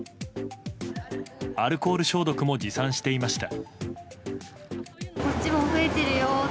アルコール消毒も持参していました。